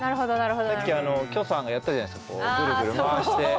さっき許さんがやったじゃないですかこうぐるぐる回して。